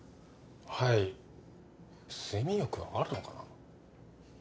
はい睡眠欲はあるのかな